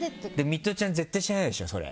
ミトちゃん絶対知らないでしょ、それ。